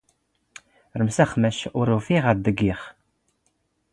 ⵔⵎⵙⵖ, ⵎⴰⵛⵛ ⵓⵔ ⵓⴼⵉⵖ ⴰⴷ ⴷⴳⴳⵉⵖ.